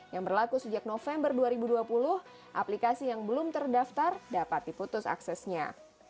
yang berlaku sejak november dua ribu dua puluh aplikasi yang belum terdaftar dapat diputus aksesnya